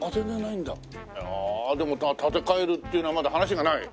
ああでも建て替えるっていうのはまだ話がない？